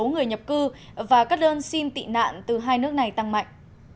sáu người nhập cư và các đơn xin tị nạn từ hai nước này tăng mạnh